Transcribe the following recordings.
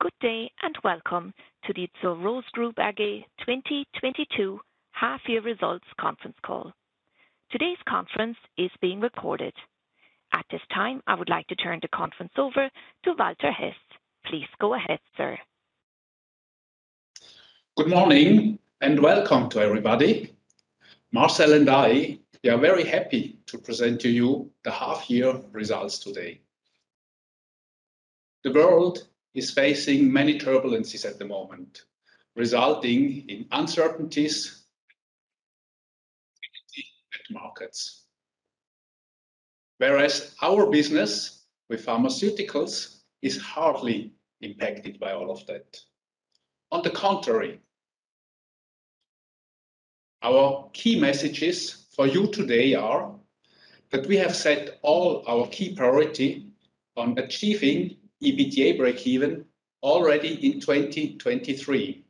Good day, and welcome to the Zur Rose Group AG 2022 half-year results conference call. Today's conference is being recorded. At this time, I would like to turn the conference over to Walter Hess. Please go ahead, sir. Good morning, and welcome to everybody. Marcel and I are very happy to present to you the half-year results today. The world is facing many turbulences at the moment, resulting in uncertain markets. Whereas our business with pharmaceuticals is hardly impacted by all of that. On the contrary, our key messages for you today are that we have set all our key priority on achieving EBITDA breakeven already in 2023.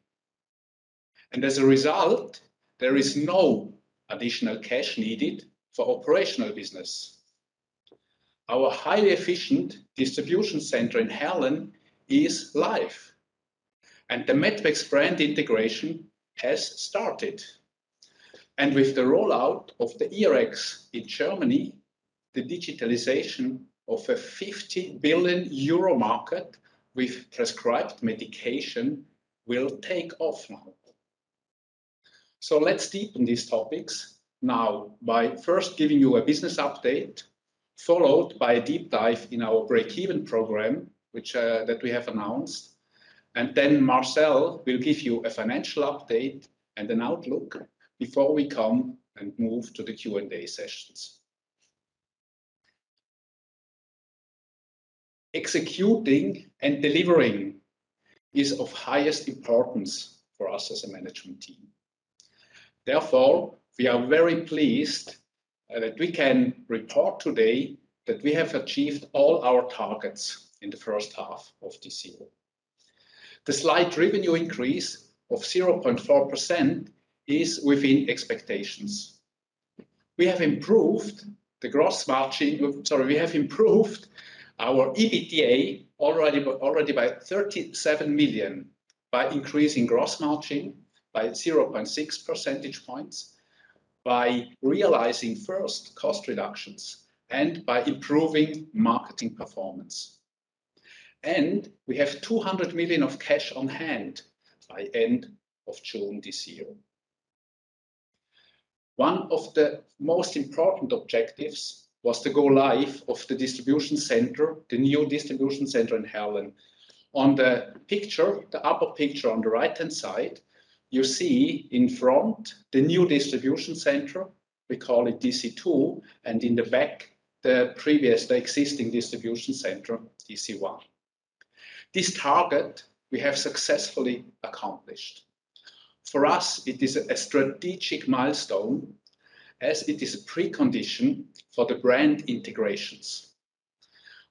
As a result, there is no additional cash needed for operational business. Our highly efficient distribution center in Herrliberg is live, and the Medpex brand integration has started. With the rollout of the eRx in Germany, the digitalization of a 50 billion euro market with prescribed medication will take off now. Let's deepen these topics now by first giving you a business update, followed by a deep dive in our breakeven program, which that we have announced. Then Marcel will give you a financial update and an outlook before we come and move to the Q&A sessions. Executing and delivering is of highest importance for us as a management team. Therefore, we are very pleased that we can report today that we have achieved all our targets in the first half of this year. The slight revenue increase of 0.4% is within expectations. We have improved the gross margin. We have improved our EBITDA already by 37 million by increasing gross margin by 0.6 percentage points, by realizing first cost reductions, and by improving marketing performance. We have 200 million of cash on hand by end of June this year. One of the most important objectives was the go live of the distribution center, the new distribution center in Herrliberg. On the picture, the upper picture on the right-hand side, you see in front the new distribution center, we call it DC2, and in the back, the previous, the existing distribution center, DC1. This target we have successfully accomplished. For us, it is a strategic milestone as it is a precondition for the brand integrations.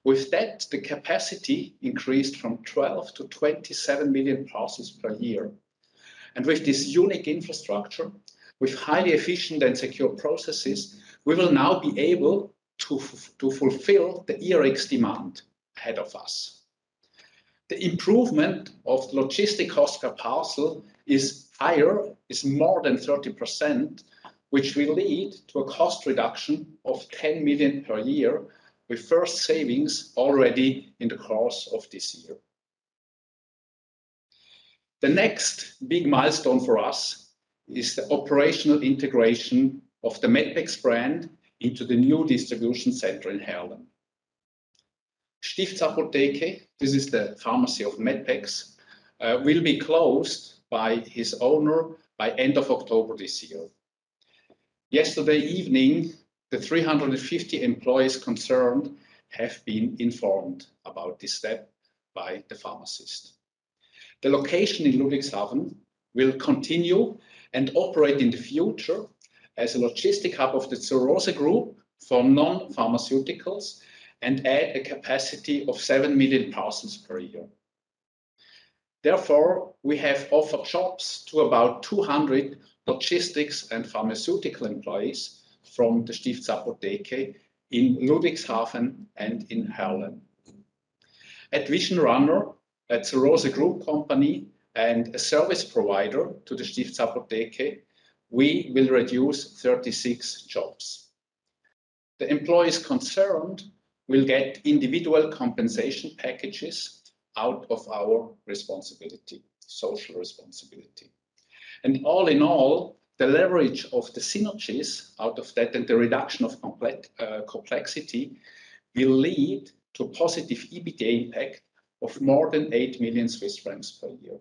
With that, the capacity increased from 12 million-27 million parcels per year. With this unique infrastructure, with highly efficient and secure processes, we will now be able to fulfill the eRx demand ahead of us. The improvement of logistics cost per parcel is more than 30%, which will lead to a cost reduction of 10 million per year, with first savings already in the course of this year. The next big milestone for us is the operational integration of the Medpex brand into the new distribution center in Herrliberg. Stiftsapotheke, this is the pharmacy of Medpex, will be closed by its owner by end of October this year. Yesterday evening, the 350 employees concerned have been informed about this step by the pharmacist. The location in Ludwigshafen will continue and operate in the future as a logistics hub of the Zur Rose Group for non-pharmaceuticals and add a capacity of 7 million parcels per year. Therefore, we have offered jobs to about 200 logistics and pharmaceutical employees from the Stiftsapotheke in Ludwigshafen and in Herrliberg. At Visionrunner, a Zur Rose Group company and a service provider to the Stiftsapotheke, we will reduce 36 jobs. The employees concerned will get individual compensation packages out of our responsibility, social responsibility. All in all, the leverage of the synergies out of that and the reduction of complexity will lead to positive EBITDA impact of more than 8 million Swiss francs per year.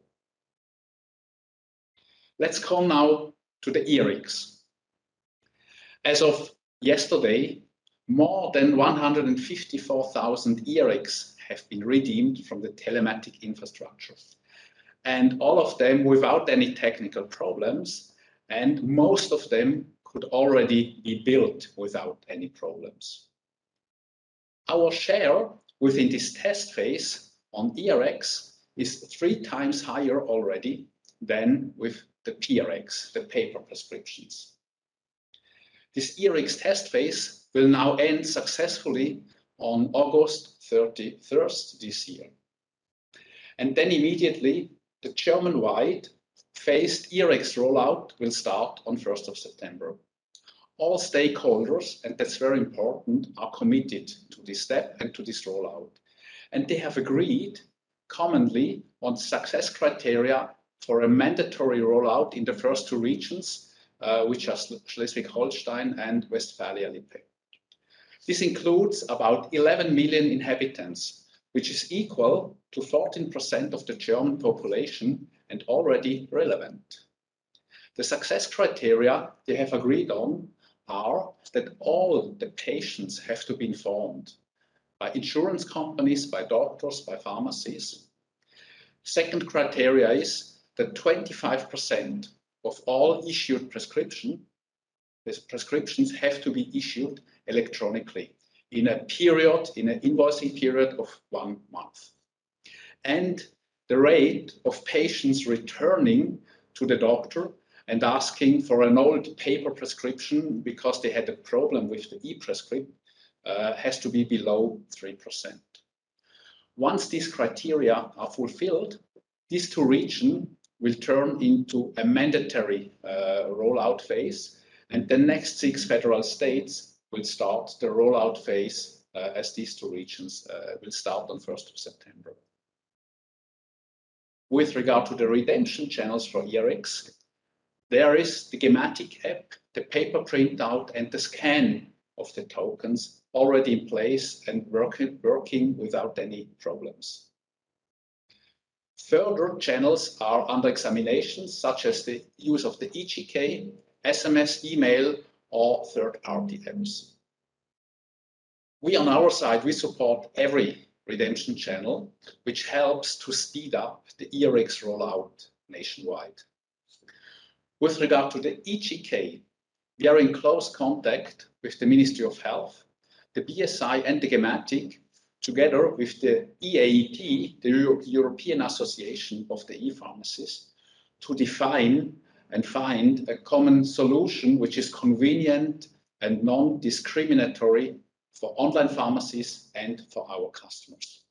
Let's come now to the eRx. As of yesterday, more than 154,000 eRx have been redeemed from the telematic infrastructure. All of them without any technical problems, and most of them could already be billed without any problems. Our share within this test phase on eRx is three times higher already than with the pRx, the paper prescriptions. This eRx test phase will now end successfully on August thirty-first this year. Immediately, the German-wide phased eRx rollout will start on first of September. All stakeholders, and that's very important, are committed to this step and to this rollout. They have agreed commonly on success criteria for a mandatory rollout in the first two regions, which are Schleswig-Holstein and Westfalen-Lippe. This includes about 11 million inhabitants, which is equal to 14% of the German population and already relevant. The success criteria they have agreed on are that all the patients have to be informed by insurance companies, by doctors, by pharmacies. Second criteria is that 25% of all issued prescription, these prescriptions have to be issued electronically in a period, in an invoicing period of one month. The rate of patients returning to the doctor and asking for an old paper prescription because they had a problem with the ePrescript has to be below 3%. Once these criteria are fulfilled, these two regions will turn into a mandatory rollout phase, and the next six federal states will start the rollout phase as these two regions will start on first of September. With regard to the redemption channels for eRX, there is the Gematik app, the paper printout, and the scan of the tokens already in place and working without any problems. Further channels are under examination, such as the use of the eGK, SMS, email, or third-party apps. We on our side support every redemption channel, which helps to speed up the eRX rollout nationwide. With regard to the eGK, we are in close contact with the Ministry of Health, the BSI, and the Gematik, together with the EAEP, the European Association of E-Pharmacies, to define and find a common solution which is convenient and non-discriminatory for online pharmacies and for our customers.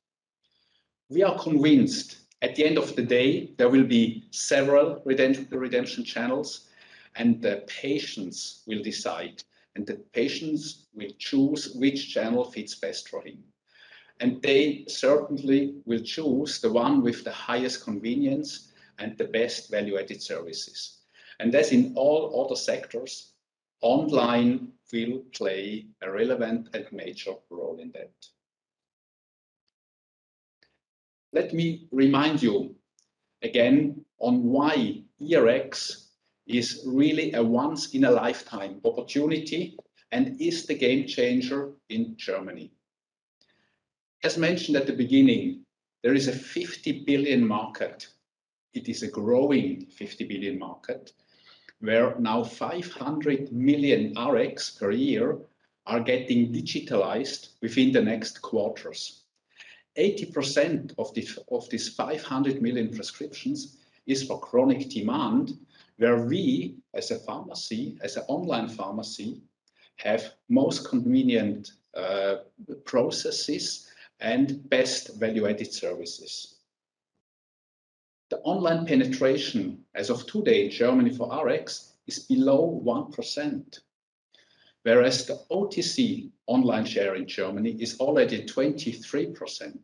We are convinced at the end of the day, there will be several redemption channels, and the patients will decide, and the patients will choose which channel fits best for him. They certainly will choose the one with the highest convenience and the best value-added services. As in all other sectors, online will play a relevant and major role in that. Let me remind you again on why eRx is really a once in a lifetime opportunity and is the game changer in Germany. As mentioned at the beginning, there is a 50 billion market. It is a growing 50 billion market, where now 500 million Rx per year are getting digitalized within the next quarters. 80% of of these 500 million prescriptions is for chronic demand, where we, as a pharmacy, as an online pharmacy, have most convenient, processes and best value-added services. The online penetration as of today in Germany for Rx is below 1%, whereas the OTC online share in Germany is already 23%,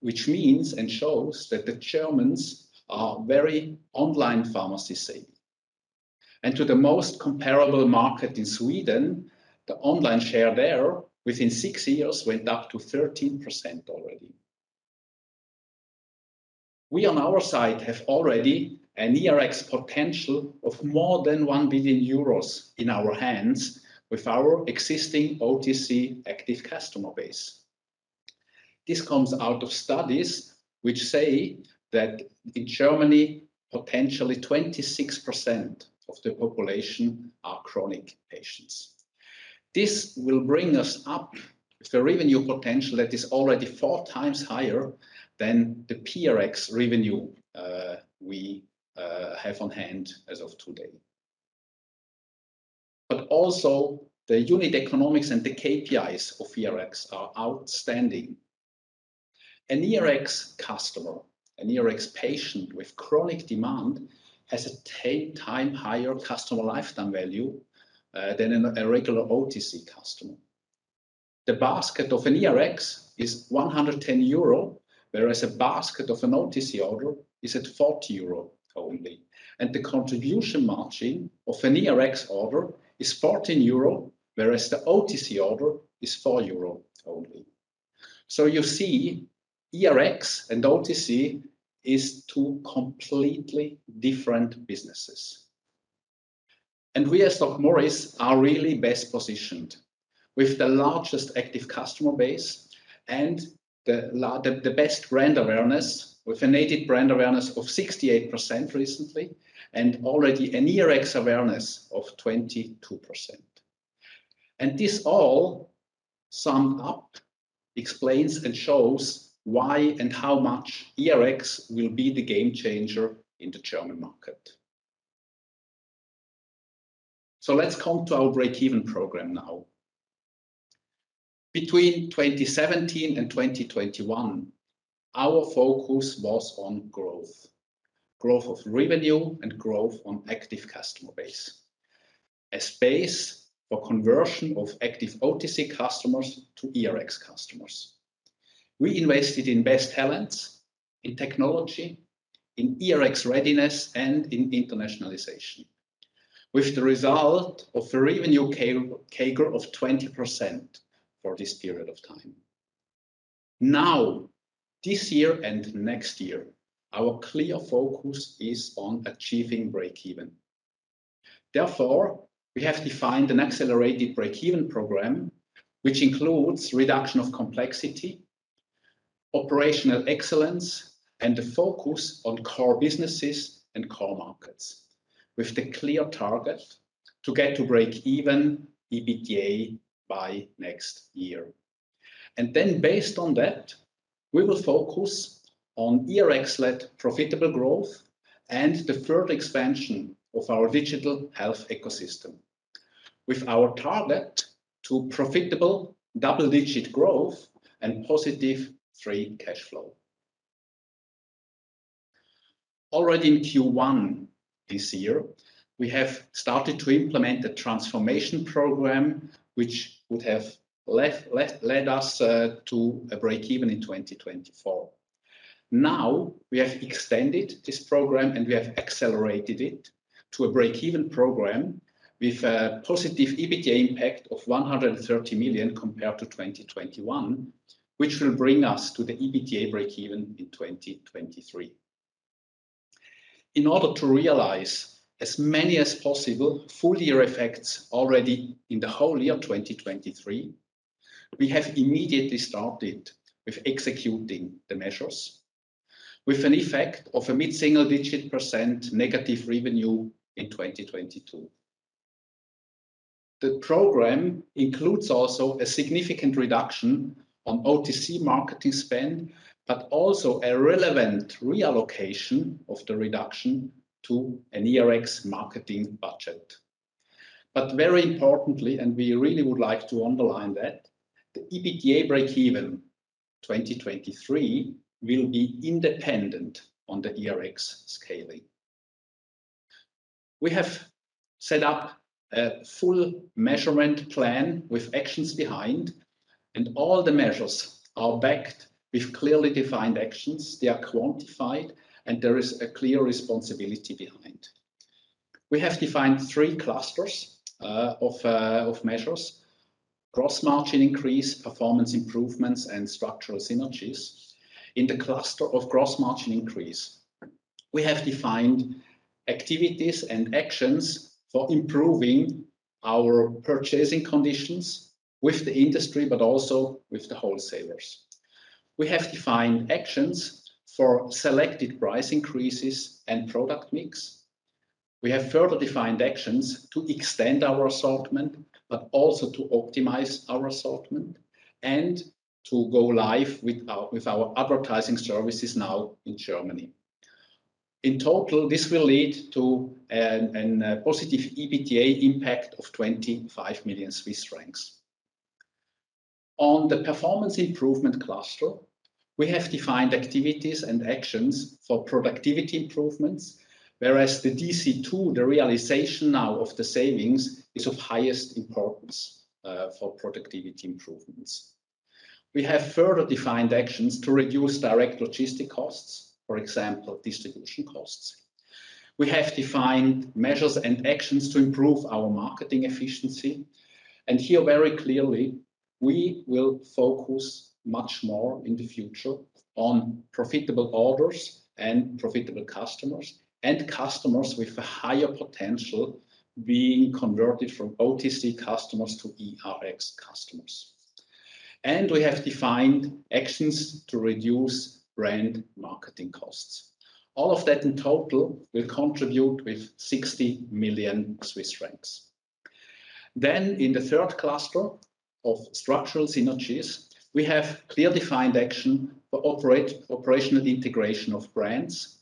which means and shows that the Germans are very online pharmacy savvy. To the most comparable market in Sweden, the online share there within 6 years went up to 13% already. We on our side have already an eRx potential of more than 1 billion euros in our hands with our existing OTC active customer base. This comes out of studies which say that in Germany, potentially 26% of the population are chronic patients. This will bring us up the revenue potential that is already four times higher than the pRx revenue we have on hand as of today. Also the unit economics and the KPIs of eRx are outstanding. An eRx customer, an eRx patient with chronic demand has a 10 times higher customer lifetime value than a regular OTC customer. The basket of an eRx is 110 euro, whereas a basket of an OTC order is at 40 euro only. The contribution margin of an eRx order is 14 euro, whereas the OTC order is 4 euro only. You see, eRx and OTC is two completely different businesses. We as DocMorris are really best positioned with the largest active customer base and the best brand awareness with an aided brand awareness of 68% recently and already an eRx awareness of 22%. This all summed up explains and shows why and how much eRx will be the game changer in the German market. Let's come to our breakeven program now. Between 2017 and 2021, our focus was on growth. Growth of revenue and growth on active customer base. A space for conversion of active OTC customers to eRx customers. We invested in best talents, in technology, in eRx readiness, and in internationalization, with the result of a revenue CAGR of 20% for this period of time. Now, this year and next year, our clear focus is on achieving breakeven. Therefore, we have defined an accelerated breakeven program, which includes reduction of complexity, operational excellence, and a focus on core businesses and core markets, with the clear target to get to breakeven EBITDA by next year. Based on that, we will focus on eRx-led profitable growth and the further expansion of our digital health ecosystem, with our target to profitable double-digit growth and positive free cash flow. Already in Q1 this year, we have started to implement the transformation program, which would have led us to a breakeven in 2024. Now, we have extended this program, and we have accelerated it to a breakeven program with a positive EBITDA impact of 130 million compared to 2021, which will bring us to the EBITDA breakeven in 2023. In order to realize as many as possible full year effects already in the whole year 2023, we have immediately started with executing the measures, with an effect of a mid-single-digit% negative revenue in 2022. The program includes also a significant reduction on OTC marketing spend, but also a relevant reallocation of the reduction to an eRx marketing budget. Very importantly, and we really would like to underline that, the EBITDA breakeven 2023 will be independent on the eRx scaling. We have set up a full measurement plan with actions behind, and all the measures are backed with clearly defined actions. They are quantified, and there is a clear responsibility behind. We have defined three clusters of measures, gross margin increase, performance improvements, and structural synergies. In the cluster of gross margin increase, we have defined activities and actions for improving our purchasing conditions with the industry, but also with the wholesalers. We have defined actions for selected price increases and product mix. We have further defined actions to extend our assortment, but also to optimize our assortment and to go live with our advertising services now in Germany. In total, this will lead to a positive EBITDA impact of 25 million Swiss francs. On the performance improvement cluster, we have defined activities and actions for productivity improvements, whereas the DC2, the realization now of the savings, is of highest importance for productivity improvements. We have further defined actions to reduce direct logistic costs, for example, distribution costs. We have defined measures and actions to improve our marketing efficiency, and here very clearly, we will focus much more in the future on profitable orders and profitable customers and customers with a higher potential being converted from OTC customers to eRx customers. We have defined actions to reduce brand marketing costs. All of that in total will contribute with 60 million Swiss francs. In the third cluster of structural synergies, we have clearly defined actions for operational integration of brands.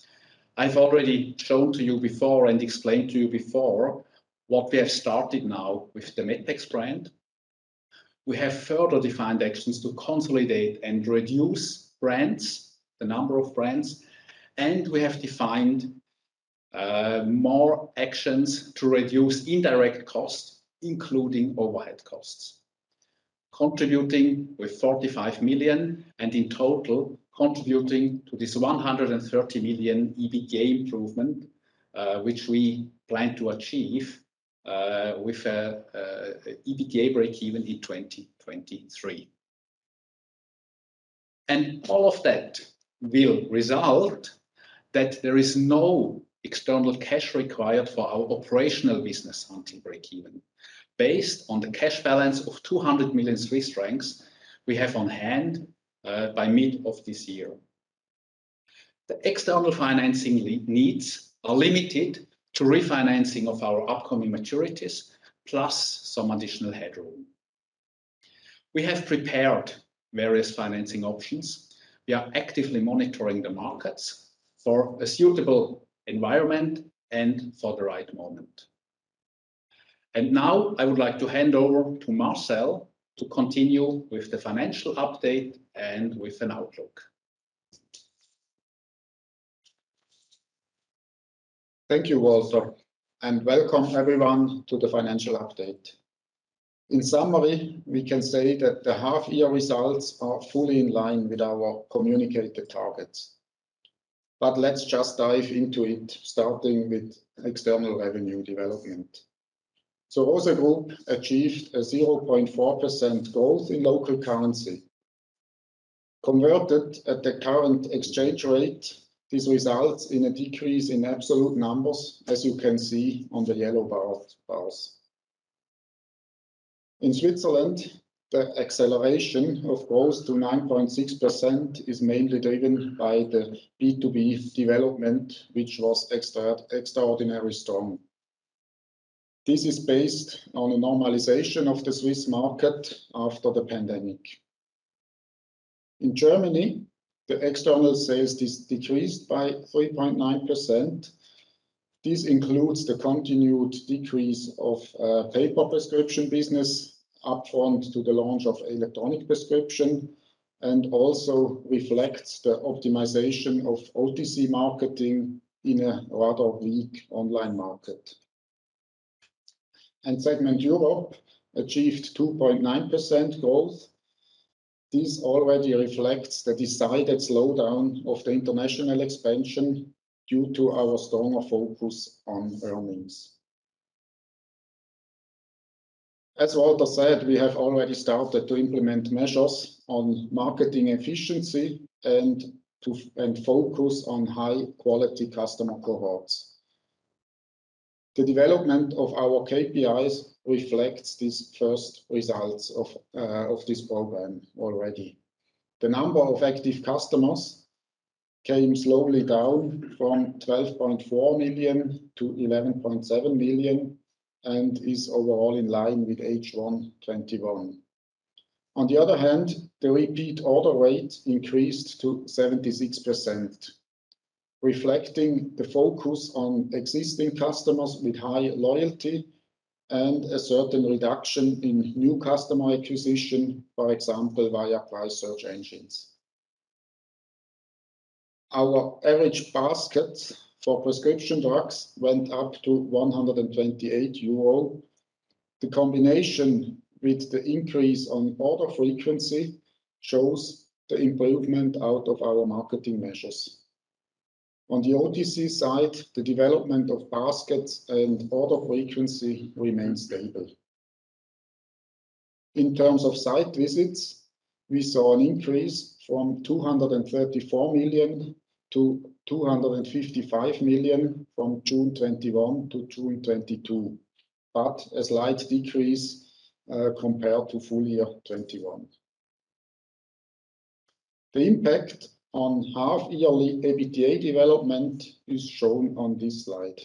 I've already shown to you before and explained to you before what we have started now with the Medpex brand. We have further defined actions to consolidate and reduce brands, the number of brands, and we have defined more actions to reduce indirect costs, including overhead costs, contributing with 45 million and in total contributing to this 130 million EBITDA improvement, which we plan to achieve with a EBITDA breakeven in 2023. All of that will result that there is no external cash required for our operational business until breakeven. Based on the cash balance of 200 million Swiss francs we have on hand by mid of this year. The external financing needs are limited to refinancing of our upcoming maturities, plus some additional headroom. We have prepared various financing options. We are actively monitoring the markets for a suitable environment and for the right moment. Now I would like to hand over to Marcel to continue with the financial update and with an outlook. Thank you, Walter, and welcome everyone to the financial update. In summary, we can say that the half year results are fully in line with our communicated targets. Let's just dive into it, starting with external revenue development. Zur Rose Group achieved a 0.4% growth in local currency. Converted at the current exchange rate, this results in a decrease in absolute numbers, as you can see on the yellow bars. In Switzerland, the acceleration of growth to 9.6% is mainly driven by the B2B development, which was extraordinary strong. This is based on a normalization of the Swiss market after the pandemic. In Germany, the external sales is decreased by 3.9%. This includes the continued decrease of paper prescription business upfront to the launch of electronic prescription, and also reflects the optimization of OTC marketing in a rather weak online market. Segment Europe achieved 2.9% growth. This already reflects the decided slowdown of the international expansion due to our stronger focus on earnings. As Walter said, we have already started to implement measures on marketing efficiency and to focus on high-quality customer cohorts. The development of our KPIs reflects these first results of this program already. The number of active customers came slowly down from 12.4 million-11.7 million, and is overall in line with H1 2021. On the other hand, the repeat order rate increased to 76%, reflecting the focus on existing customers with high loyalty and a certain reduction in new customer acquisition, for example, via price search engines. Our average basket for prescription drugs went up to 128 euro. The combination with the increase on order frequency shows the improvement out of our marketing measures. On the OTC side, the development of baskets and order frequency remains stable. In terms of site visits, we saw an increase from 234 million-255 million from June 2021 to June 2022, but a slight decrease compared to full year 2021. The impact on half yearly EBITDA development is shown on this slide.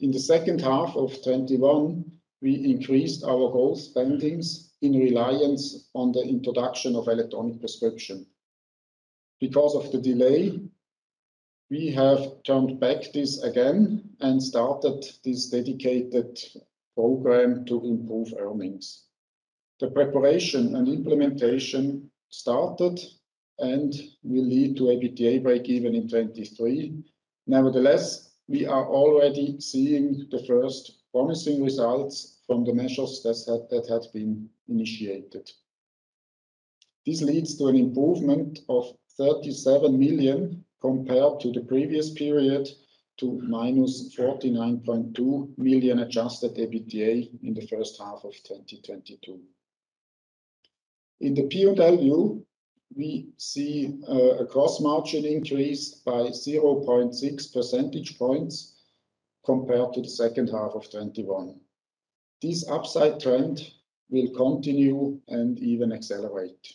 In the second half of 2021, we increased our ad spendings in reliance on the introduction of electronic prescription. Because of the delay, we have turned back this again and started this dedicated program to improve earnings. The preparation and implementation started and will lead to EBITDA break-even in 2023. Nevertheless, we are already seeing the first promising results from the measures that had been initiated. This leads to an improvement of 37 million compared to the previous period, to -49.2 million adjusted EBITDA in the first half of 2022. In the P&L, we see a gross-margin increase by 0.6 percentage points compared to the second half of 2021. This upside trend will continue and even accelerate.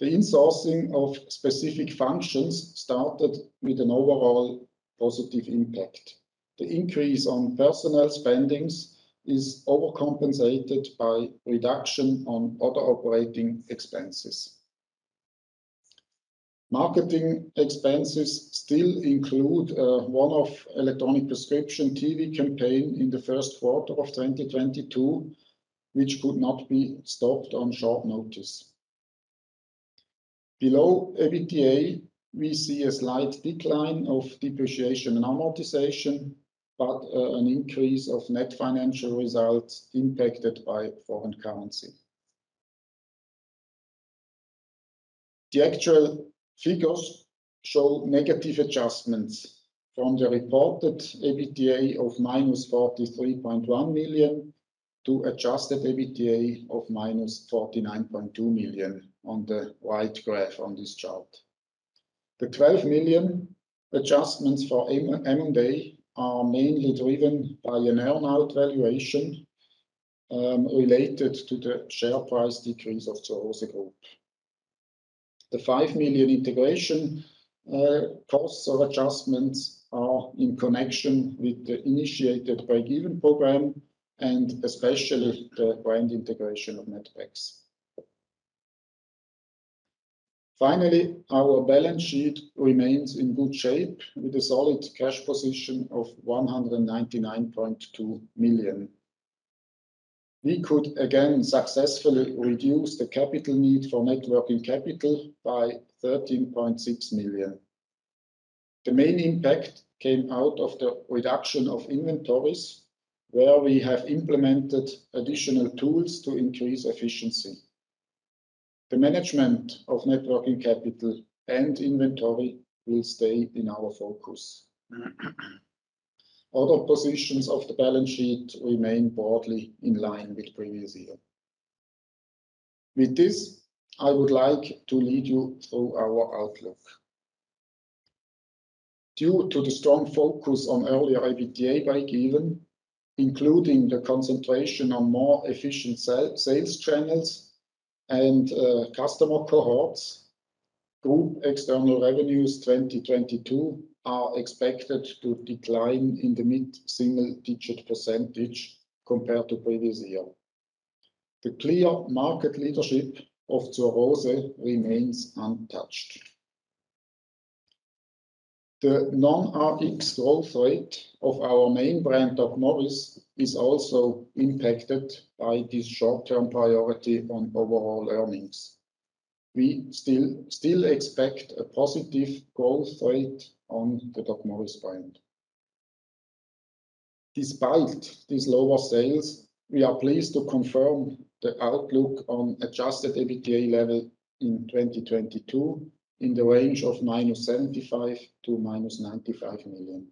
The insourcing of specific functions started with an overall positive impact. The increase on personnel spending is overcompensated by reduction on other operating expenses. Marketing expenses still include one-off electronic prescription TV campaign in the Q1 of 2022, which could not be stopped on short notice. Below EBITDA, we see a slight decline of depreciation and amortization, but an increase of net financial results impacted by foreign currency. The actual figures show negative adjustments from the reported EBITDA of -43.1 million to adjusted EBITDA of -49.2 million on the right graph on this chart. The 12 million adjustments for M&A are mainly driven by an earn-out valuation related to the share price decrease of Zur Rose Group. The 5 million integration costs or adjustments are in connection with the initiated breakeven program and especially the brand integration of Medpex. Finally, our balance sheet remains in good shape with a solid cash position of 199.2 million. We could again successfully reduce the capital need for net working capital by 13.6 million. The main impact came out of the reduction of inventories, where we have implemented additional tools to increase efficiency. The management of net working capital and inventory will stay in our focus. Other positions of the balance sheet remain broadly in line with previous year. With this, I would like to lead you through our outlook. Due to the strong focus on early EBITDA breakeven, including the concentration on more efficient sales channels and customer cohorts, Group external revenues 2022 are expected to decline in the mid-single-digit% compared to previous year. The clear market leadership of Zur Rose remains untouched. The non-RX growth rate of our main brand, DocMorris, is also impacted by this short-term priority on overall earnings. We still expect a positive growth rate on the DocMorris brand. Despite these lower sales, we are pleased to confirm the outlook on adjusted EBITDA level in 2022 in the range of -75 million--95 million.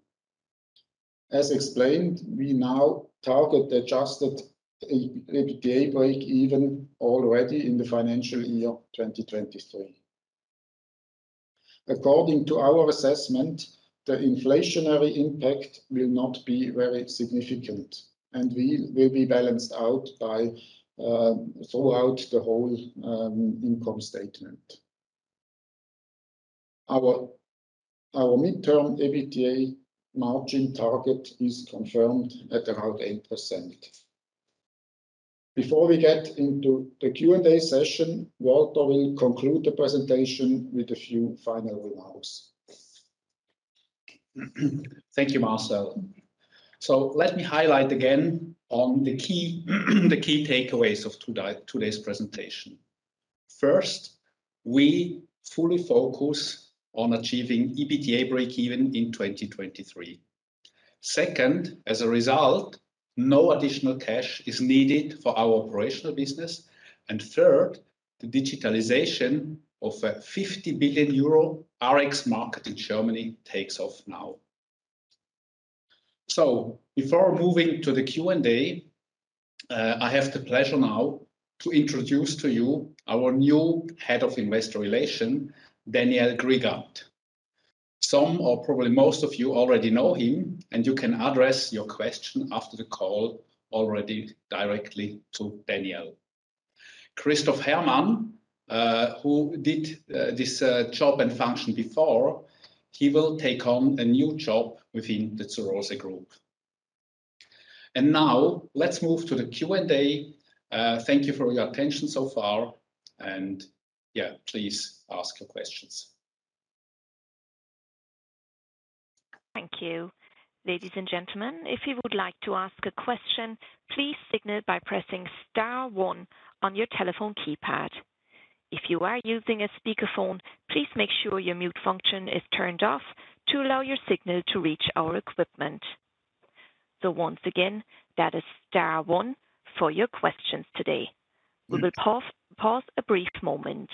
As explained, we now target adjusted EBITDA breakeven already in the financial year 2023. According to our assessment, the inflationary impact will not be very significant, and will be balanced out by throughout the whole income statement. Our midterm EBITDA margin target is confirmed at around 8%. Before we get into the Q&A session, Walter will conclude the presentation with a few final remarks. Thank you, Marcel. Let me highlight again on the key takeaways of today's presentation. First, we fully focus on achieving EBITDA breakeven in 2023. Second, as a result, no additional cash is needed for our operational business. Third, the digitalization of a 50 billion euro RX market in Germany takes off now. Before moving to the Q&A, I have the pleasure now to introduce to you our new head of investor relations, Daniel Grigat. Some, or probably most of you already know him, and you can address your question after the call already directly to Daniel. Christoph Herrmann, who did this job and function before, he will take on a new job within the Zur Rose Group. Now let's move to the Q&A. Thank you for your attention so far. Yeah, please ask your questions. Thank you. Ladies and gentlemen, if you would like to ask a question, please signal by pressing star one on your telephone keypad. If you are using a speakerphone, please make sure your mute function is turned off to allow your signal to reach our equipment. Once again, that is star one for your questions today. We will pause a brief moment.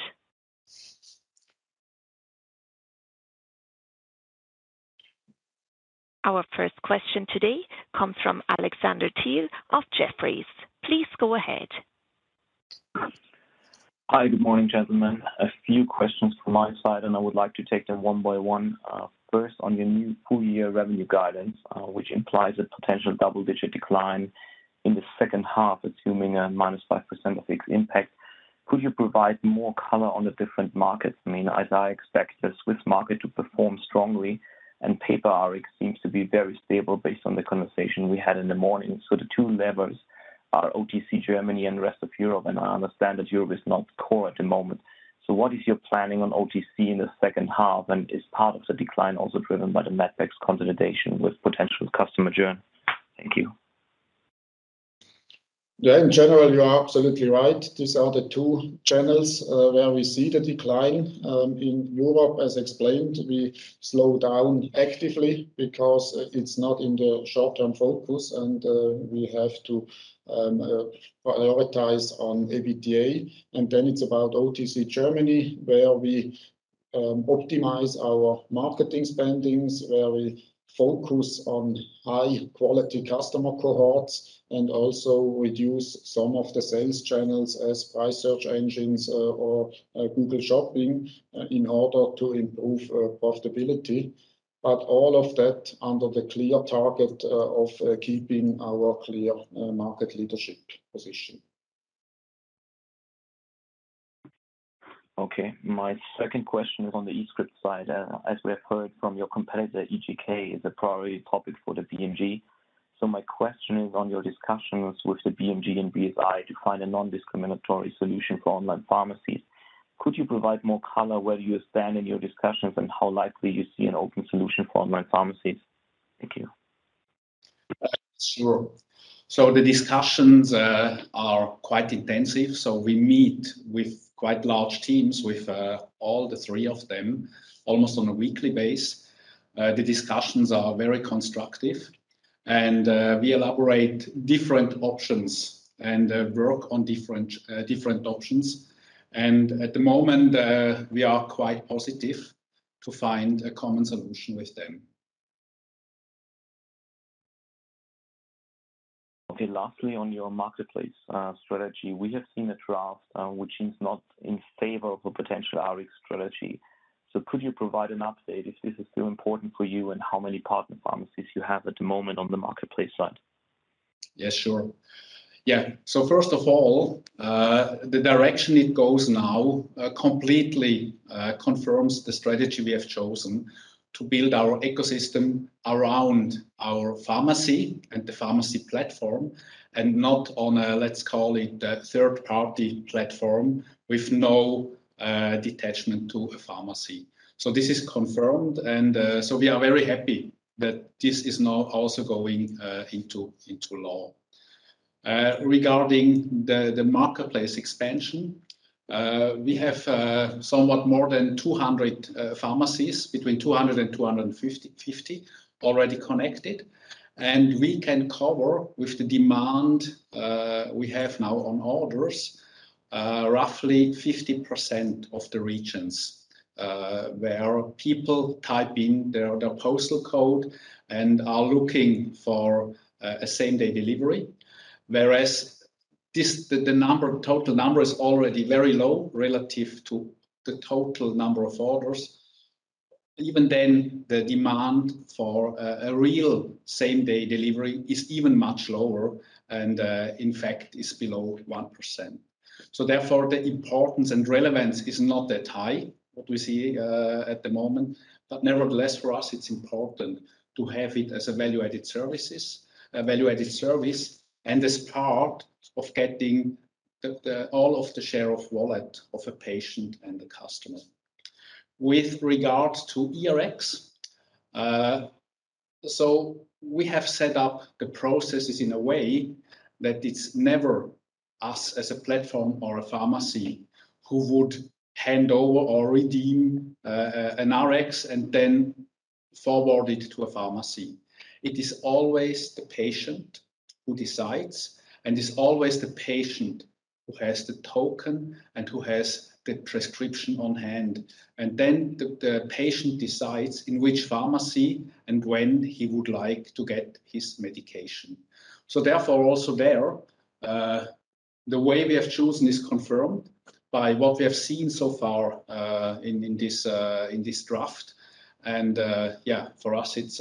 Our first question today comes from Alexander Thiel of Jefferies. Please go ahead. Hi. Good morning, gentlemen. A few questions from my side, and I would like to take them one by one. First, on your new full year revenue guidance, which implies a potential double-digit decline in the second half, assuming a -5% FX impact. Could you provide more color on the different markets? I mean, as I expect the Swiss market to perform strongly and pRx seems to be very stable based on the conversation we had in the morning. So the two levers are OTC Germany and rest of Europe, and I understand that Europe is not core at the moment. So what is your planning on OTC in the second half, and is part of the decline also driven by the Medpex consolidation with potential customer churn? Thank you. Yeah. In general, you are absolutely right. These are the two channels where we see the decline. In Europe, as explained, we slow down actively because it's not in the short-term focus and we have to prioritize on EBITDA. It's about OTC Germany, where we optimize our marketing spending, where we focus on high-quality customer cohorts and also reduce some of the sales channels as price search engines or Google Shopping in order to improve profitability. All of that under the clear target of keeping our clear market leadership position. Okay. My second question is on the eScript side. As we have heard from your competitor, eGK is a priority topic for the BMG. My question is on your discussions with the BMG and BSI to find a non-discriminatory solution for online pharmacies. Could you provide more color where you stand in your discussions and how likely you see an open solution for online pharmacies? Thank you. Sure. The discussions are quite intensive. We meet with quite large teams with all the three of them almost on a weekly basis. The discussions are very constructive and we elaborate different options and work on different options. At the moment, we are quite positive to find a common solution with them. Okay. Lastly, on your marketplace strategy. We have seen a draft which is not in favor of a potential RX strategy. Could you provide an update if this is still important for you and how many partner pharmacies you have at the moment on the marketplace side? Yeah, sure. Yeah. First of all, the direction it goes now completely confirms the strategy we have chosen to build our ecosystem around our pharmacy and the pharmacy platform and not on a, let's call it, a third-party platform with no detachment to a pharmacy. This is confirmed, so we are very happy that this is now also going into law. Regarding the marketplace expansion, we have somewhat more than 200 pharmacies, between 200 and 250 already connected. We can cover with the demand we have now on orders roughly 50% of the regions where people type in their postal code and are looking for a same-day delivery. The total number is already very low relative to the total number of orders. Even then, the demand for a real same-day delivery is even much lower and, in fact, is below 1%. Therefore, the importance and relevance is not that high, what we see at the moment. Nevertheless, for us it's important to have it as a value-added service and as part of getting all of the share of wallet of a patient and the customer. With regards to eRx, we have set up the processes in a way that it's never us as a platform or a pharmacy who would hand over or redeem an Rx and then forward it to a pharmacy. It is always the patient who decides, and it's always the patient who has the token and who has the prescription on hand. Then the patient decides in which pharmacy and when he would like to get his medication. Therefore, also there, the way we have chosen is confirmed by what we have seen so far in this draft. For us it's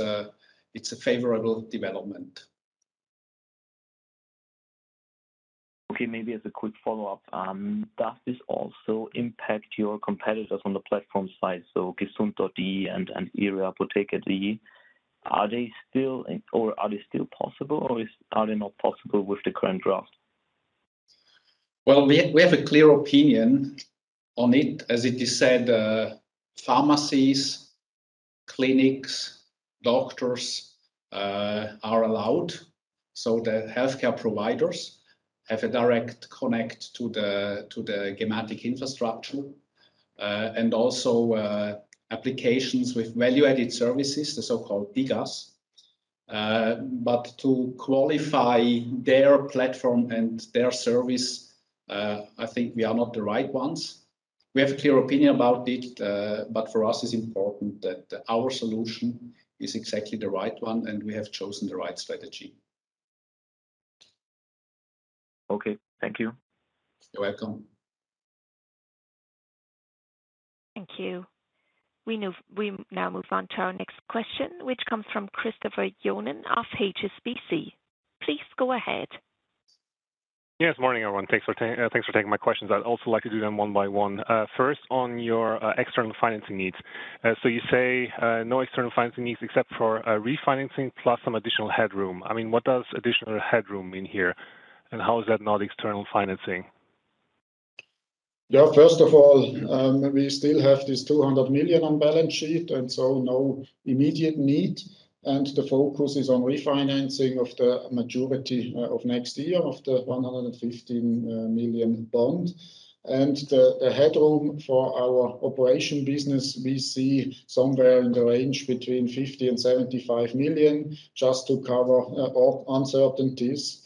a favorable development. Okay, maybe as a quick follow-up, does this also impact your competitors on the platform side, so gesund.de and IhreApotheken.de. Are they still in or are they still possible or are they not possible with the current draft? Well, we have a clear opinion on it. As it is said, pharmacies, clinics, doctors, are allowed, so the healthcare providers have a direct connection to the Gematik infrastructure. And also, applications with value-added services, the so-called DiGAs. But to qualify their platform and their service, I think we are not the right ones. We have clear opinion about it, but for us it's important that our solution is exactly the right one and we have chosen the right strategy. Okay. Thank you. You're welcome. Thank you. We now move on to our next question, which comes from Christopher Jones of HSBC. Please go ahead. Yes. Morning, everyone. Thanks for taking my questions. I'd also like to do them one by one. First, on your external financing needs. So you say no external financing needs except for refinancing plus some additional headroom. I mean, what does additional headroom mean here? How is that not external financing? Yeah, first of all, we still have this 200 million on balance sheet, and so no immediate need. The focus is on refinancing of the majority of next year of the 115 million bond. The headroom for our operation business, we see somewhere in the range between 50 million and 75 million just to cover all uncertainties.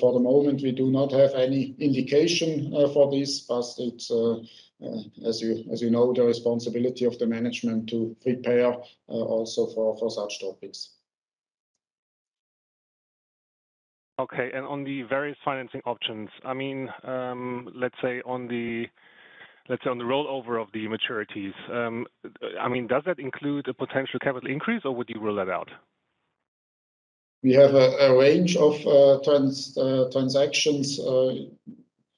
For the moment we do not have any indication for this, but it's, as you know, the responsibility of the management to prepare also for such topics. Okay. On the various financing options, I mean, let's say on the rollover of the maturities, I mean, does that include a potential capital increase or would you rule that out? We have a range of transactions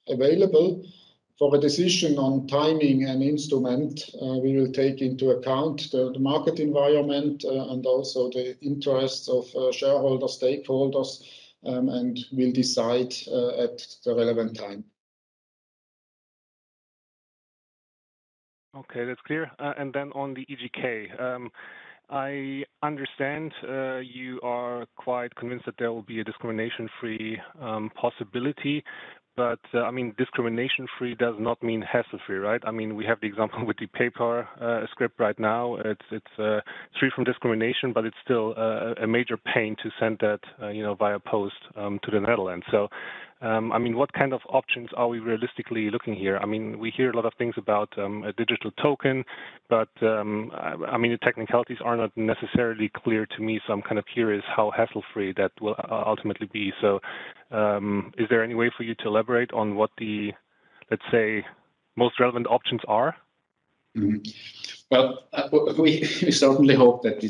available. For the decision on timing and instrument, we will take into account the market environment, and also the interests of shareholder stakeholders, and we'll decide at the relevant time. Okay. That's clear. On the eGK, I understand you are quite convinced that there will be a discrimination-free possibility, but I mean, discrimination-free does not mean hassle-free, right? I mean, we have the example with the paper script right now. It's free from discrimination, but it's still a major pain to send that, you know, via post to the Netherlands. What kind of options are we realistically looking here? I mean, we hear a lot of things about a digital token, but I mean, the technicalities are not necessarily clear to me, so I'm kind of curious how hassle-free that will ultimately be. Is there any way for you to elaborate on what the, let's say, most relevant options are? Well, we certainly hope that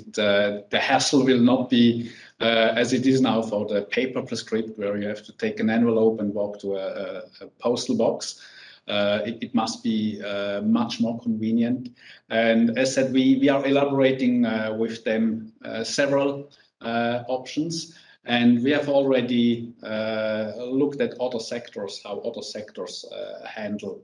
the hassle will not be as it is now for the paper prescription, where you have to take an envelope and walk to a postal box. It must be much more convenient. As said, we are elaborating with them several options. We have already looked at other sectors, how other sectors handle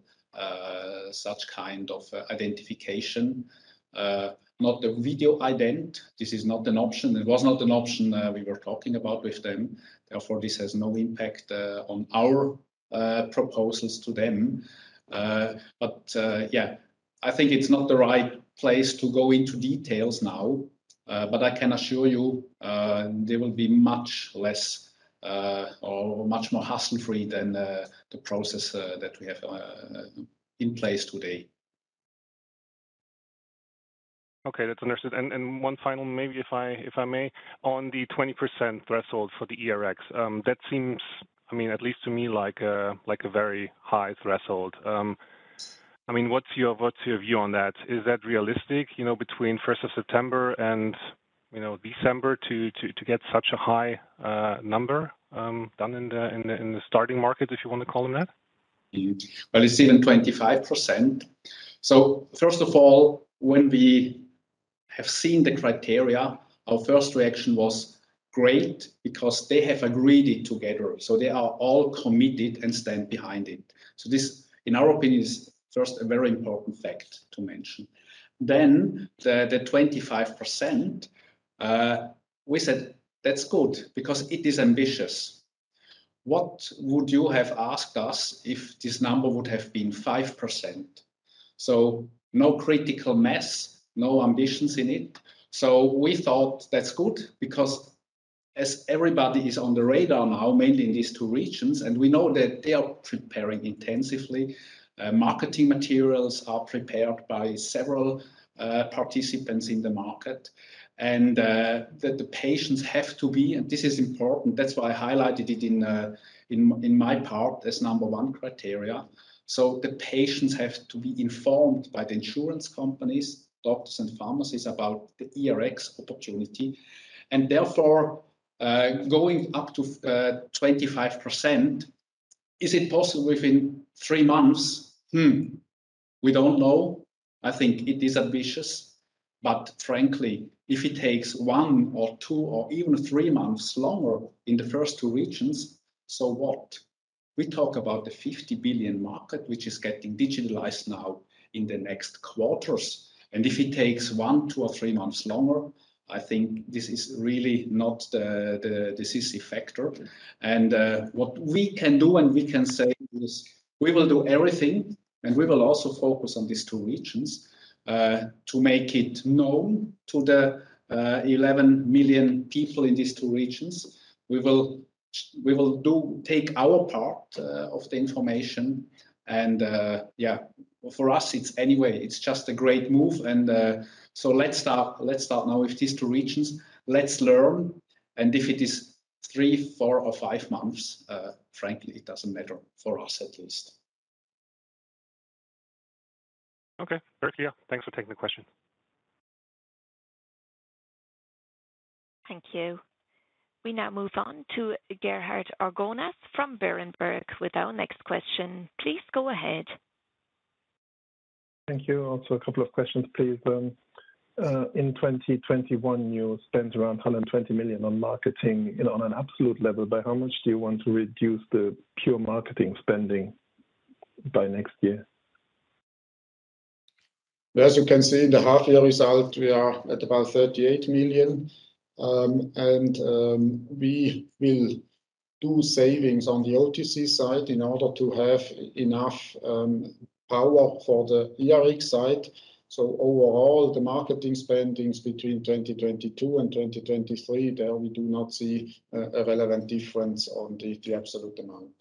such kind of identification. Not the video ident. This is not an option. It was not an option we were talking about with them. Therefore, this has no impact on our proposals to them. Yeah, I think it's not the right place to go into details now, but I can assure you, they will be much less, or much more hassle-free than the process that we have in place today. Okay. That's understood. One final maybe if I may on the 20% threshold for the eRx, that seems, I mean, at least to me, like a very high threshold. I mean, what's your view on that? Is that realistic, you know, between first of September and, you know, December to get such a high number done in the starting market, if you want to call them that? Mm-hmm. Well, it's even 25%. First of all, when we have seen the criteria, our first reaction was great because they have agreed it together, so they are all committed and stand behind it. This, in our opinion, is first a very important fact to mention. Then the 25%, we said that's good because it is ambitious. What would you have asked us if this number would have been 5%? No critical mass, no ambitions in it. We thought that's good because as everybody is on the radar now, mainly in these two regions, and we know that they are preparing intensively. Marketing materials are prepared by several participants in the market and that the patients have to be, and this is important, that's why I highlighted it in my part as number one criteria. The patients have to be informed by the insurance companies, doctors and pharmacies about the eRx opportunity. Therefore, going up to 25%, is it possible within three months? We don't know. I think it is ambitious, but frankly, if it takes one or two or even three months longer in the first two regions, so what? We talk about the 50 billion market, which is getting digitalized now in the next quarters. If it takes one, two or three months longer, I think this is really not the decisive factor. What we can do and we can say is we will do everything, and we will also focus on these two regions to make it known to the eleven million people in these two regions. We will take our part of the information and. For us, it's anyway, it's just a great move and, so let's start now with these two regions. Let's learn, and if it is three, four or five months, frankly, it doesn't matter, for us at least. Okay. Thank you. Thanks for taking the question. Thank you. We now move on to Gerhard Orgonas from Berenberg with our next question. Please go ahead. Thank you. Also a couple of questions, please. In 2021, you spent around 120 million on marketing. On an absolute level, by how much do you want to reduce the pure marketing spending by next year? As you can see, the half year result, we are at about 38 million. We will do savings on the OTC side in order to have enough power for the eRx side. Overall, the marketing spendings between 2022 and 2023, there we do not see a relevant difference on the absolute amount.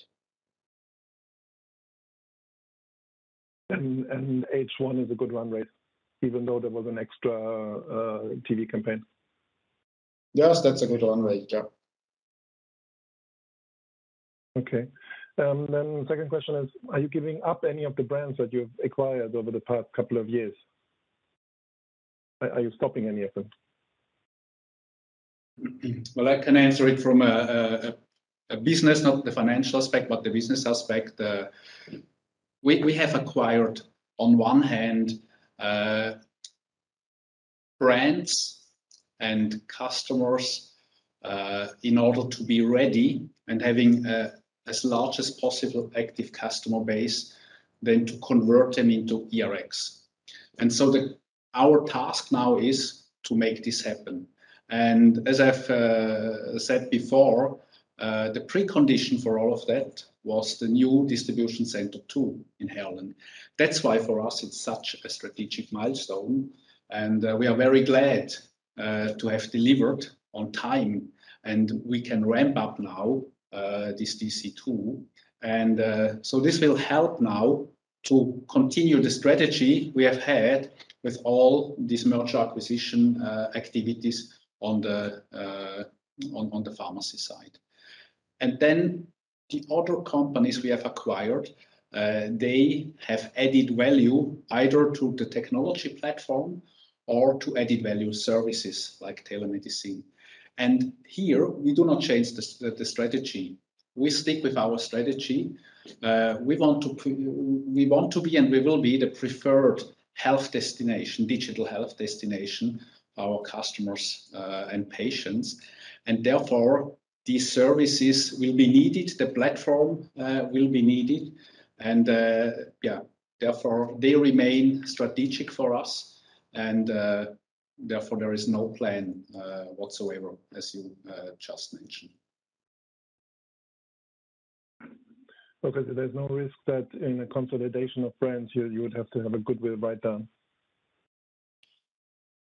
H1 is a good run rate, even though there was an extra TV campaign. Yes, that's a good run rate. Yeah. Okay. Second question is, are you giving up any of the brands that you've acquired over the past couple of years? Are you stopping any of them? Well, I can answer it from a business, not the financial aspect, but the business aspect. We have acquired on one hand, brands and customers, in order to be ready and having as large as possible active customer base then to convert them into eRx. Our task now is to make this happen. As I've said before, the precondition for all of that was the new distribution center two in Herrliberg. That's why for us it's such a strategic milestone, and we are very glad to have delivered on time, and we can ramp up now this DC2. This will help now to continue the strategy we have had with all these M&A activities on the pharmacy side. The other companies we have acquired, they have added value either to the technology platform or to added value services like telemedicine. Here we do not change the strategy. We stick with our strategy. We want to be and we will be the preferred health destination, digital health destination, our customers, and patients. Therefore, these services will be needed. The platform will be needed and therefore they remain strategic for us. Therefore, there is no plan whatsoever as you just mentioned. Okay. There's no risk that in a consolidation of brands you would have to have a goodwill write-down?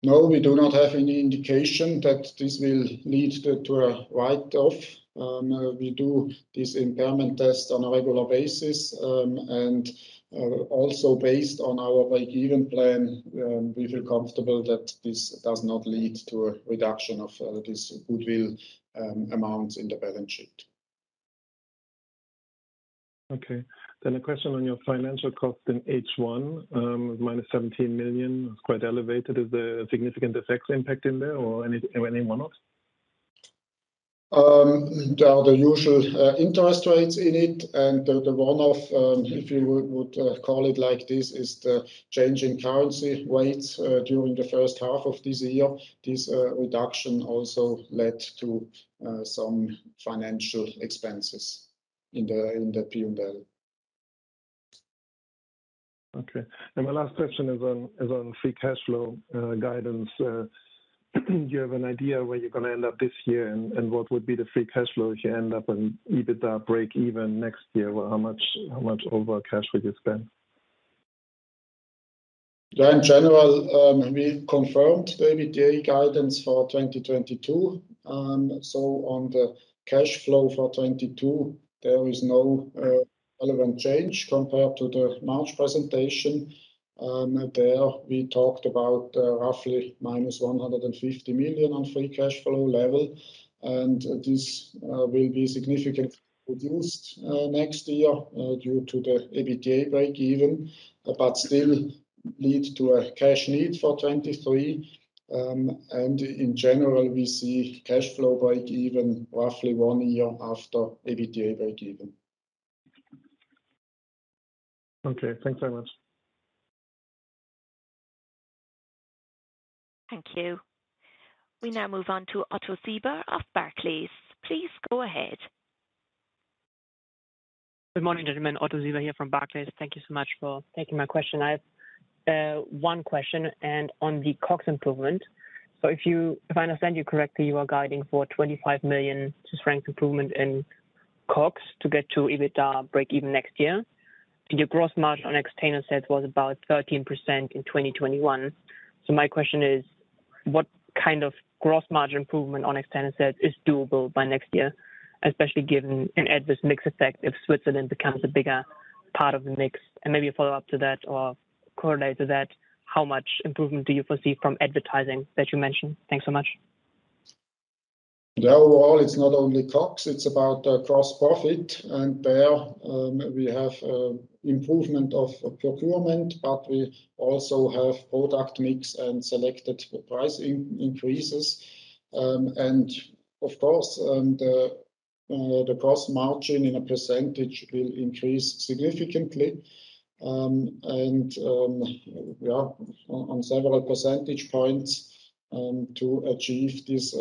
No, we do not have any indication that this will lead to a write-off. We do this impairment test on a regular basis. Also based on our break-even plan, we feel comfortable that this does not lead to a reduction of this goodwill amounts in the balance sheet. A question on your finance costs in H1, -17 million is quite elevated. Is there a significant FX impact in there or any one-offs? There are the usual interest rates in it, and the one-off, if you would call it like this, is the change in currency rates during the first half of this year. This reduction also led to some financial expenses in the P&L. Okay. My last question is on free cash flow guidance. Do you have an idea where you're gonna end up this year and what would be the free cash flow if you end up on EBITDA break even next year? How much CapEx would you spend? In general, we confirmed the EBITDA guidance for 2022. On the cash flow for 2022 there is no relevant change compared to the March presentation. There we talked about roughly -150 million on free cash flow level. This will be significantly reduced next year due to the EBITDA breakeven, but still lead to a cash need for 2023. In general, we see cash flow breakeven roughly one year after EBITDA breakeven. Okay. Thanks very much. Thank you. We now move on to Otto Sieber of Barclays. Please go ahead. Good morning, gentlemen. Otto Sieber here from Barclays. Thank you so much for taking my question. I have one question on the COGS improvement. If I understand you correctly, you are guiding for 25 million to strength improvement in COGS to get to EBITDA break even next year. Your gross margin on external was about 13% in 2021. My question is, what kind of gross margin improvement on external is doable by next year, especially given an adverse mix effect if Switzerland becomes a bigger part of the mix? Maybe a follow-up to that or correlated to that, how much improvement do you foresee from advertising that you mentioned? Thanks so much. Overall, it's not only COGS, it's about gross profit. There, we have improvement of procurement, but we also have product mix and selected pricing increases. Of course, the gross margin as a percentage will increase significantly, and we are on several percentage points to achieve this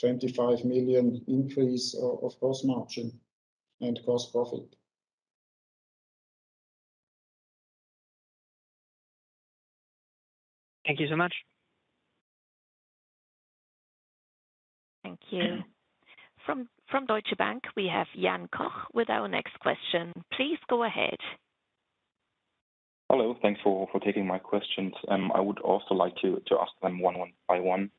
25 million increase of gross margin and gross profit. Thank you so much. Thank you. From Deutsche Bank, we have Jan Koch with our next question. Please go ahead. Hello. Thanks for taking my questions. I would also like to ask them one by one,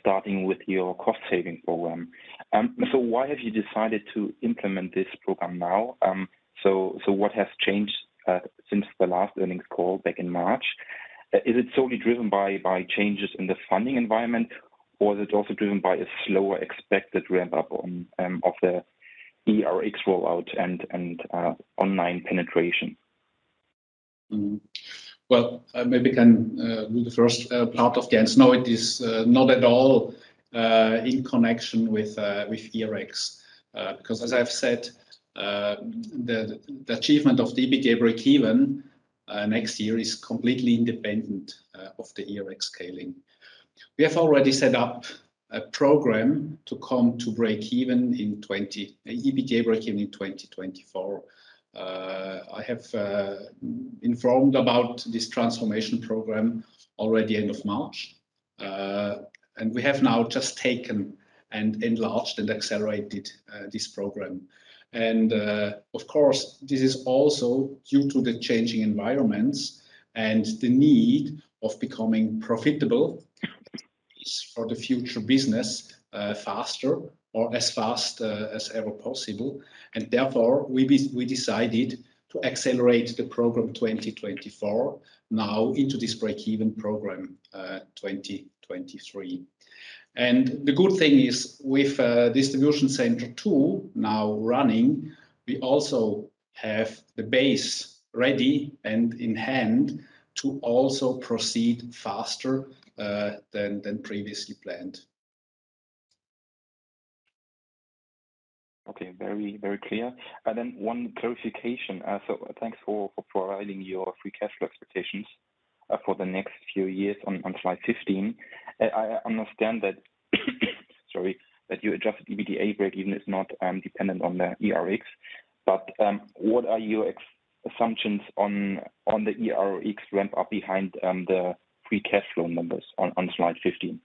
starting with your cost saving program. Why have you decided to implement this program now? What has changed since the last earnings call back in March? Is it solely driven by changes in the funding environment or is it also driven by a slower expected ramp-up of the eRx rollout and online penetration? Well, I maybe can do the first part of the answer. No, it is not at all in connection with eRx. Because as I've said, the achievement of the EBITDA breakeven next year is completely independent of the eRx scaling. We have already set up a program to come to EBITDA breakeven in 2024. I have informed about this transformation program already end of March. We have now just taken and enlarged and accelerated this program. Of course, this is also due to the changing environments and the need of becoming profitable for the future business, faster or as fast as ever possible. Therefore, we decided to accelerate the 2024 program now into this breakeven program 2023. The good thing is, with distribution center two now running, we also have the base ready and in hand to also proceed faster than previously planned. Okay. Very, very clear. One clarification. Thanks for providing your free cash flow expectations for the next few years on Slide 15. I understand that your adjusted EBITDA breakeven is not dependent on the eRx. What are your ex-ante assumptions on the eRx ramp up behind the free cash flow numbers on Slide 15?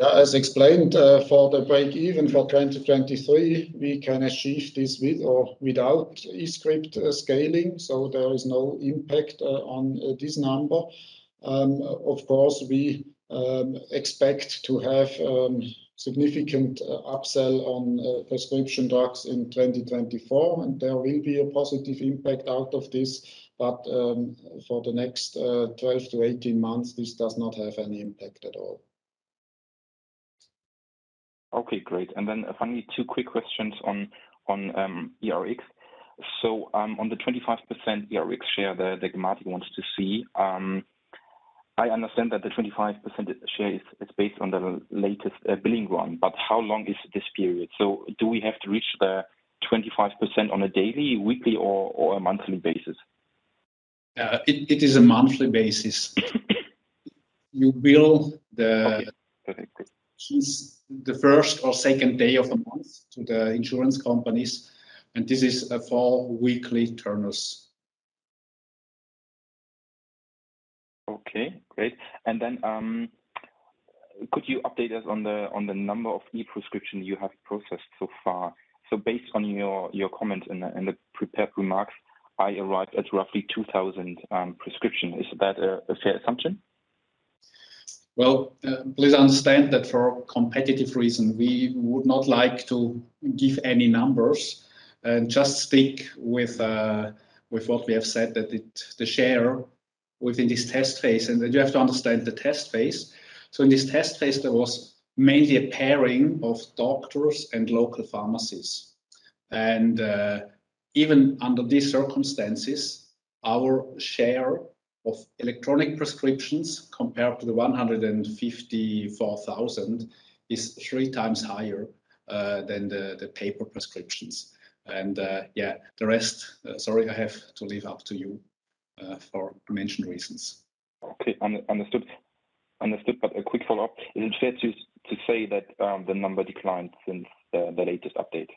As explained, for the breakeven for 2023, we can achieve this with or without eScript scaling, so there is no impact on this number. Of course, we expect to have significant upsell on prescription drugs in 2024, and there will be a positive impact out of this. For the next 12 months-18 months, this does not have any impact at all. Okay, great. Finally, two quick questions on eRx. On the 25% eRx share that Gematik wanted to see, I understand that the 25% share is based on the latest billing run, but how long is this period? Do we have to reach the 25% on a daily, weekly, or a monthly basis? It is a monthly basis. You bill the. Okay. Since the first or second day of the month to the insurance companies, and this is for weekly turners. Okay, great. Then, could you update us on the number of e-prescription you have processed so far? Based on your comment in the prepared remarks, I arrived at roughly 2,000 prescription. Is that a fair assumption? Well, please understand that for competitive reasons, we would not like to give any numbers. Just stick with what we have said, the share within this test phase. You have to understand the test phase. In this test phase, there was mainly a pairing of doctors and local pharmacies. Even under these circumstances, our share of electronic prescriptions compared to the 154,000 is three times higher than the paper prescriptions. The rest, sorry, I have to leave up to you for aforementioned reasons. Okay. Understood. A quick follow-up. Is it fair to say that the number declined since the latest update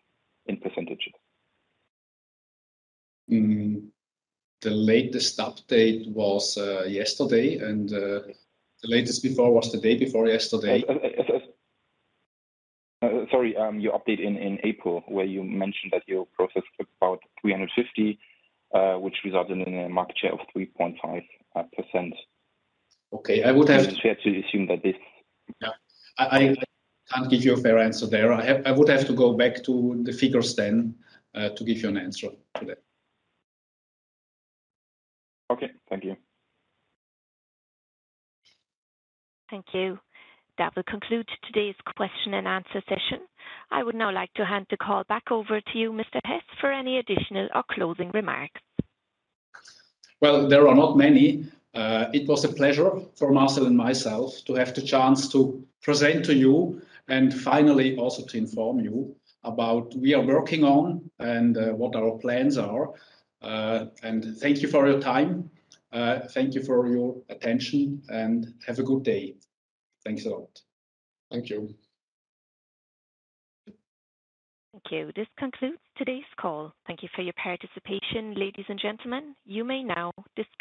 in percentage? The latest update was yesterday, and the latest before was the day before yesterday. Sorry, your update in April, where you mentioned that you processed about 350, which resulted in a market share of 3.5%. Okay. Is it fair to assume that this? Yeah. I can't give you a fair answer there. I would have to go back to the figures then to give you an answer to that. Okay. Thank you. Thank you. That will conclude today's question and answer session. I would now like to hand the call back over to you, Mr. Hess, for any additional or closing remarks. Well, there are not many. It was a pleasure for Marcel and myself to have the chance to present to you and finally also to inform you about we are working on and what our plans are. Thank you for your time. Thank you for your attention and have a good day. Thanks a lot. Thank you. Thank you. This concludes today's call. Thank you for your participation, ladies and gentlemen. You may now disconnect.